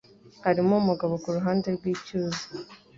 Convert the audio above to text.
Hariho umugabo kuruhande rwicyuzi.